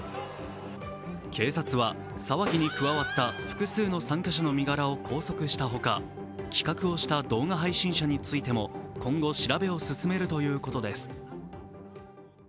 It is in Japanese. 警察は騒ぎに加わった複数の参加者の身柄を拘束したほか、企画をした動画配信者についても今後、調べを進めるということです。